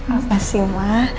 apa sih ma